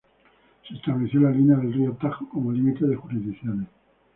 Se estableció la línea del río Tajo como límite de jurisdicciones.